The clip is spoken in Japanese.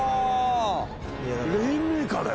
レインメーカーだよ。